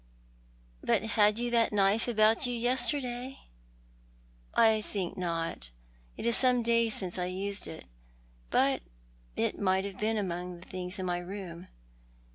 " But had you that knife about you yesterday ?"" I think not. It is some days since I used it, but it may have been among the things in my room.